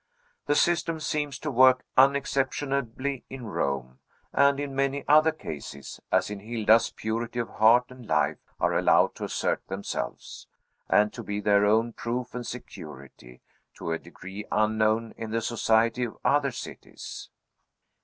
The system seems to work unexceptionably in Rome; and in many other cases, as in Hilda's, purity of heart and life are allowed to assert themselves, and to be their own proof and security, to a degree unknown in the society of other cities.